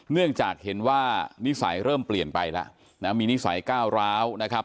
เนื่องจากเห็นว่านิสัยเริ่มเปลี่ยนไปแล้วนะมีนิสัยก้าวร้าวนะครับ